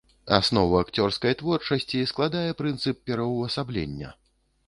Аснову акцёрскай творчасці складае прынцып пераўвасаблення.